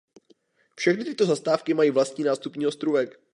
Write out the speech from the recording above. Všechny tyto zastávky mají vlastní nástupní ostrůvek.